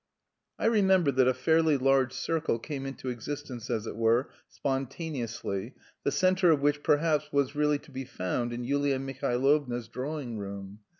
I remember that a fairly large circle came into existence, as it were, spontaneously, the centre of which perhaps was really to be found in Yulia Mihailovna's drawing room.